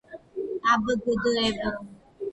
აბგდევ